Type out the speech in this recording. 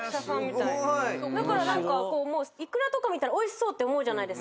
すごい！だからイクラとか見たらおいしそうって思うじゃないですか。